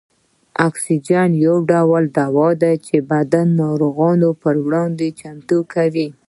واکسین یو ډول دوا ده چې بدن د ناروغیو پر وړاندې چمتو کوي